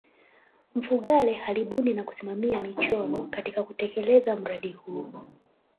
mfugale alibuni na kusimamia michoro katika kutelekeza mradi huu